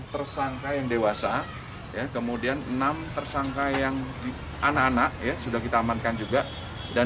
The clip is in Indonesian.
tersangka yang dewasa ya kemudian enam tersangka yang di anak anak ya sudah kita amankan juga dan